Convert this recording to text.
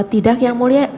tidak yang mulia